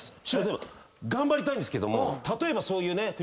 師匠頑張りたいんですけど例えばそういうね。